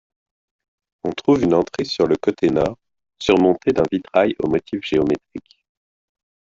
On trouve une entrée sur le côté nord, surmontée d'un vitrail aux motifs géométrique.